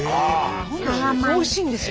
おいしいんですよ。